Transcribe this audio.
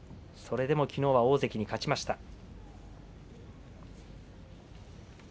それでもきのうは大関に勝ちました。